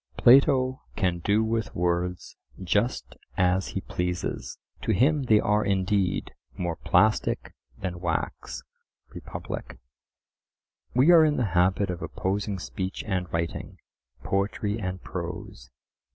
Plato can do with words just as he pleases; to him they are indeed "more plastic than wax" (Republic). We are in the habit of opposing speech and writing, poetry and prose.